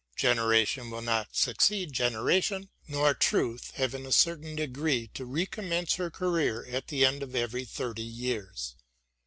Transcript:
Generation will not succeed generation, nor truth have in a certain degree to recommence her career at the end of every thirty years.